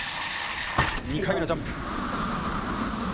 ２回目のジャンプ。